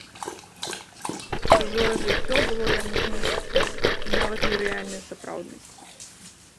Чужое жыццё было яму і не жыццём, і нават не рэальнай сапраўднасцю.